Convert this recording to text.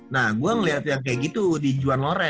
nah gue ngeliat yang kayak gitu di juan lore